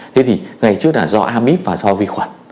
thế thì ngày trước là do amid và do vi khuẩn